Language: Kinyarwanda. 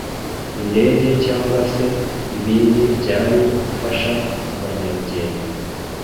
indege cyangwa se ibindi byari gufasha abanyarugendo